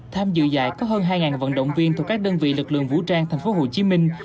tham dự giải có hơn hai vận động viên thuộc các đơn vị lực lượng vũ trang thành phố hồ chí minh